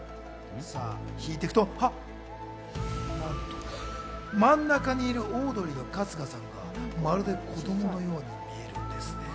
なんと真ん中にいるオードリー・春日さんがまるで子供のように見えるんです。